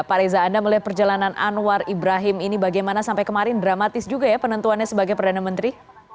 pak reza anda melihat perjalanan anwar ibrahim ini bagaimana sampai kemarin dramatis juga ya penentuannya sebagai perdana menteri